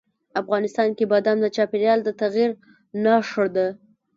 افغانستان کې بادام د چاپېریال د تغیر نښه ده.